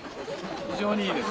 非常にいいです。